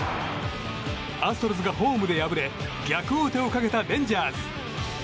アストロズがホームで敗れ逆王手をかけたレンジャーズ。